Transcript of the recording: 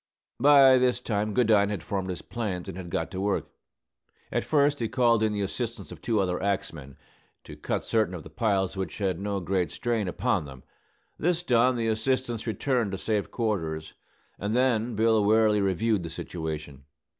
By this time Goodine had formed his plans, and had got to work. At first he called in the assistance of two other axemen, to cut certain of the piles which had no great strain upon them. This done, the assistants returned to safe quarters; and then Bill warily reviewed the situation.